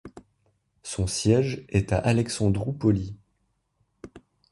Son siège est à Alexandroupoli.